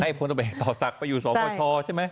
ให้พวกเราไปต่อศักดีไปอยู่สองค่อยชอบใช่ไหม